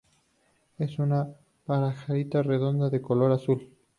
Usa una pajarita redonda de color azul.